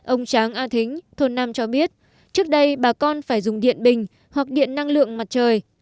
ông tráng a thính thôn năm cho biết trước đây bà con phải dùng điện bình hoặc điện năng lượng mặt trời